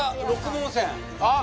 あっ！